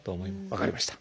分かりました。